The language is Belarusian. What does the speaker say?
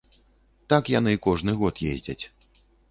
Так яны кожны год ездзяць.